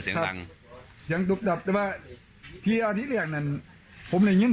เสียงดังเสียงตุ๊บดับแต่ว่าที่อาทิตย์เรียกนั่นผมได้ยิน